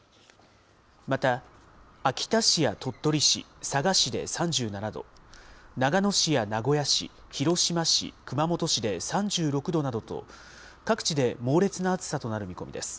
また、秋田市や鳥取市、佐賀市で３７度、長野市や名古屋市、広島市、熊本市で３６度などと、各地で猛烈な暑さとなる見込みです。